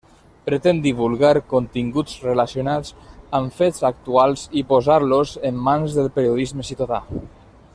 Pretén divulgar continguts relacionats amb fets actuals i posar-los en mans del periodisme ciutadà.